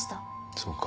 そうか。